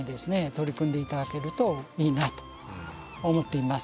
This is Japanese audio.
取り組んで頂けるといいなと思っています。